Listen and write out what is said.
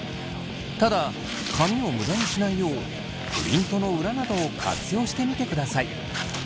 ただ紙を無駄にしないようプリントの裏などを活用してみてください。